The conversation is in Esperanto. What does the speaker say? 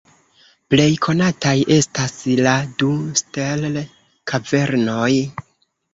Plej konataj estas la du Sterl-kavernoj.